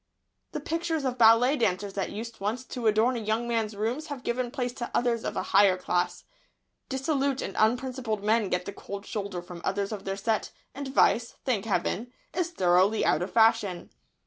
] The pictures of ballet dancers that used once to adorn a young man's rooms have given place to others of a higher class. Dissolute and unprincipled men get the cold shoulder from others of their set, and vice, thank Heaven, is thoroughly out of fashion.